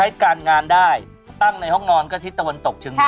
ใช้การงานได้ตั้งในห้องนอนก็ที่ตะวันตกชึง